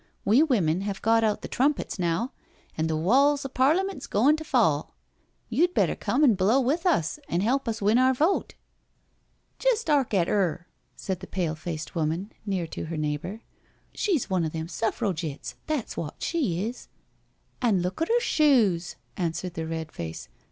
We women have got out the trumpets now, and the walls of Parliment 's goin* to fall. You'd better come an' blow with us, and help us win our vote." " Jest 'ark at 'eri" said the pale faced woman near IN THE COURTYARD 79 to her neighbour. " She's one o' them Suffrigitts, that's wot she is.'* '* An' look at 'er shoes I " answered the Red face.